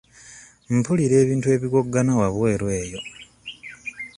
Mpulira ebintu ebiwoggana wabweru eyo.